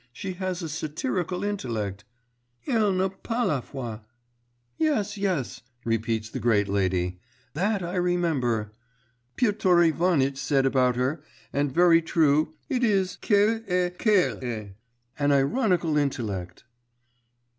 She has a satirical intellect ... elle n'a pas la foi.' 'Yes, yes,' repeats the great lady ... 'that I remember, Piotr Ivanitch said about her, and very true it is, qu'elle a ... qu'elle a an ironical intellect.